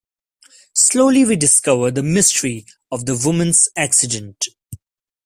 Slowly we discover the mystery of the woman's accident.